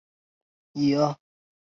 该物种的模式产地在堪察加。